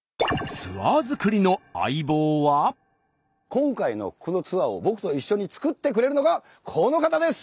今回のこのツアーを僕と一緒に作ってくれるのがこの方です！